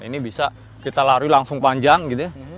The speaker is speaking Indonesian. ini bisa kita lari langsung panjang gitu ya